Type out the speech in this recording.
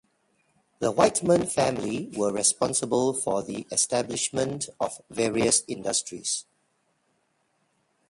The Whiteman family were responsible for the establishment of various industries.